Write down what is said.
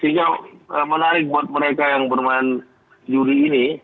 sehingga menarik buat mereka yang bermain juri ini